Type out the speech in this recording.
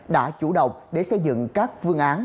đã chủ động để xây dựng các phương án